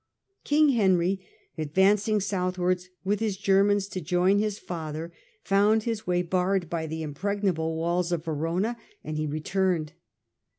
King Henry, advancing southwards with his Germans to join his father, found his way barred by the impregnable walls of Verona, and he returned.